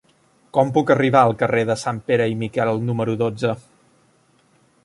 Com puc arribar al carrer de Sanpere i Miquel número dotze?